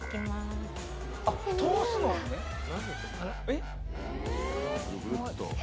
えっ？